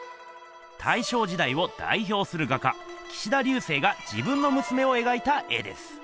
大正時代をだいひょうする画家岸田劉生が自分のむすめを描いた絵です。